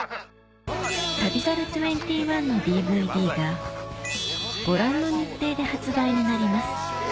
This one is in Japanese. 『旅猿２１』のＤＶＤがご覧の日程で発売になります